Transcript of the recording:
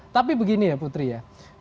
tapi begini ya putri ya